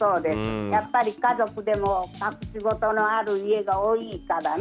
やっぱり家族でも隠しごとのある家が多いからね。